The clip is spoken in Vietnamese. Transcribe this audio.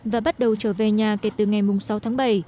và bắt đầu trở về nhà kể từ ngày sáu tháng bảy